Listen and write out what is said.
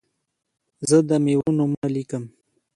زه د میوو نومونه لیکم.